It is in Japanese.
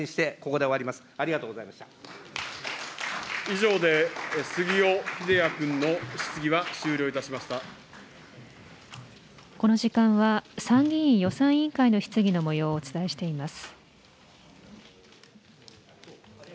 この時間は、参議院予算委員会の質疑のもようをお伝えしています。